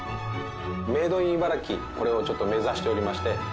これをちょっと目指しておりまして。